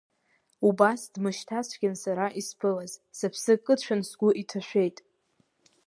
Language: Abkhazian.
Убас дмышьҭацәгьан сара исԥылаз, сыԥсы кыдшәан сгәы иҭашәеит.